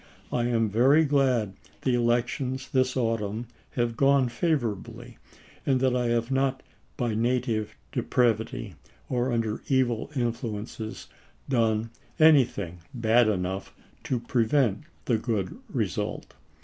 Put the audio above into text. I am very glad the elections this autumn have gone favorably and that I have not by native depravity or under evil influences done anything bad enough to prevent the good result.